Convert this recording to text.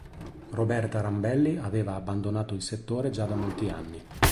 Roberta Rambelli aveva abbandonato il settore già da molti anni.